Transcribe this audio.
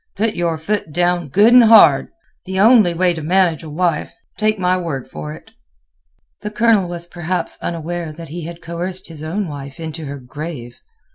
Put your foot down good and hard; the only way to manage a wife. Take my word for it." The Colonel was perhaps unaware that he had coerced his own wife into her grave. Mr.